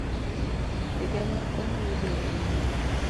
Higa ma onyuoliye en mane?